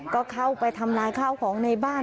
ก็เข้าไปทำลายข้าวของในบ้าน